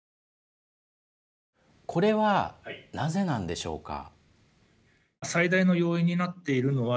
これはなぜなんでしょうか。